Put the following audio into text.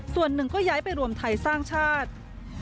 ส่วนหนึ่งก็ย้ายไปรวมไทยสร้างชาติ